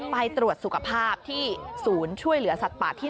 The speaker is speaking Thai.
ไปตรวจสุขภาพที่ศูนย์ช่วยเหลือสัตว์ป่าที่๓